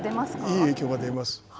いい影響が出ます。